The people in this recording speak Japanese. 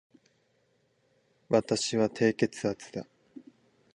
私は低血圧だ